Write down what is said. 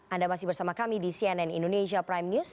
anda masih bersama kami di cnn indonesia prime news